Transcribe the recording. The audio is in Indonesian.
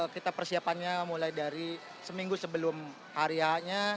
kita persiapannya mulai dari seminggu sebelum harianya